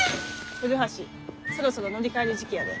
古橋そろそろ乗り換える時期やで。